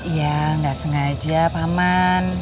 ya gak sengaja paman